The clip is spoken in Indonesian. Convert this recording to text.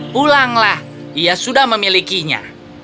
pulanglah dia sudah memilikinya